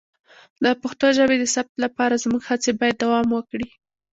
د پښتو ژبې د ثبت لپاره زموږ هڅې باید دوام وکړي.